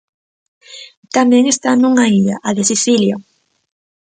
Tamén está nunha illa: a de Sicilia.